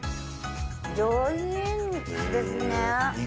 上品ですね。